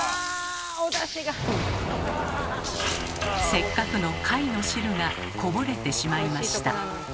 せっかくの貝の汁がこぼれてしまいました。